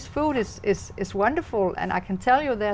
chủ tịch của ông đã đến đài loan